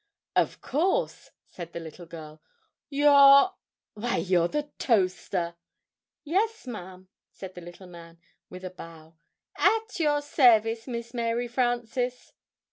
"Of course!" said the little girl, "you're why, you're the Toaster!" "Yes, ma'am," said the little man, with a bow, "at your service, Miss Mary Frances."